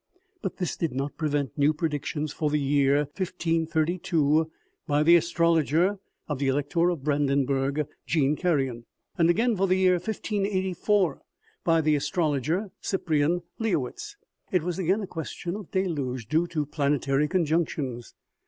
But this did not prevent new predic tions for the year 1532, by the astrologer of the elec tor of Brandenburg, Jean Carion ; and again for the year 1584, by the astrol OMEGA 147 oger Cyprian lyeowitz. It was again a question of a deluge, due to planetary conjunctions.